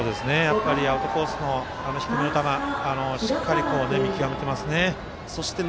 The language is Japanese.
アウトコースの低めの球しっかり見極めてますね。